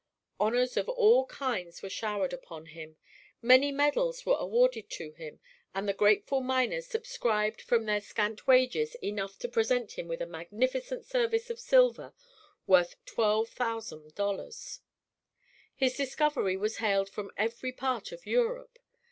Honors of all kinds were showered upon him. Many medals were awarded to him, and the grateful miners subscribed from their scant wages enough to present him with a magnificent service of silver worth $12,000. His discovery was hailed from every part of Europe.